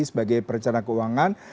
sebagai perencana keuangan